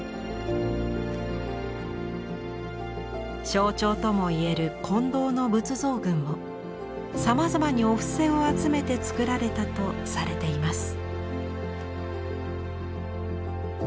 象徴ともいえる金堂の仏像群もさまざまにお布施を集めてつくられたとされています。